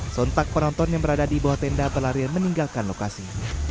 sontak penonton yang berada di bawah tenda berlarian meninggalkan lokasi